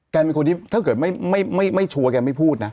เป็นคนที่ถ้าเกิดไม่ชัวร์แกไม่พูดนะ